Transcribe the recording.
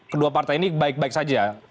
kedua partai ini baik baik saja